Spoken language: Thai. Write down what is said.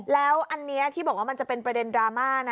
แล้วอันนี้ที่บอกว่ามันจะเป็นประเด็นดราม่านะ